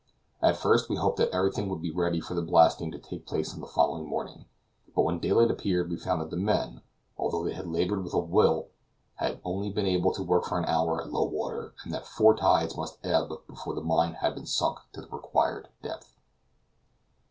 At first we hoped that everything would be ready for the blasting to take place on the following morning, but when daylight appeared we found that the men, although they had labored with a will, had only been able to work for an hour at low water and that four tides must ebb before the mine had been sunk to the required depth.